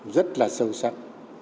rất là sâu sắc